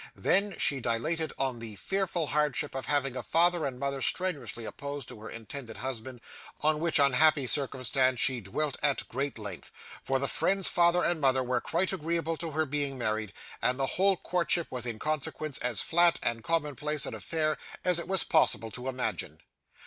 Then, she dilated on the fearful hardship of having a father and mother strenuously opposed to her intended husband; on which unhappy circumstance she dwelt at great length; for the friend's father and mother were quite agreeable to her being married, and the whole courtship was in consequence as flat and common place an affair as it was possible to imagine.